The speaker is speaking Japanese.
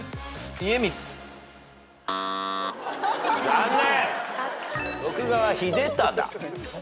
残念。